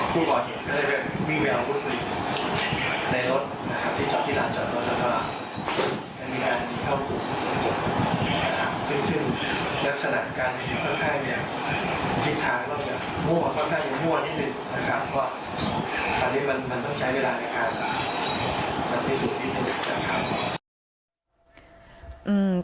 เพราะว่าอันนี้มันต้องใช้เวลาในการสร้างพิสูจน์ที่คุณอยากจะทำ